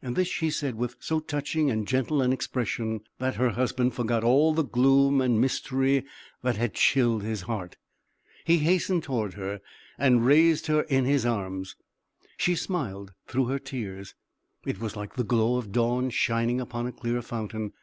This she said with so touching and gentle an expression, that her husband forgot all the gloom and mystery that had chilled his heart; he hastened toward, her and raised her in his arms. She smiled through her tears it was like the glow of dawn shining upon a clear fountain.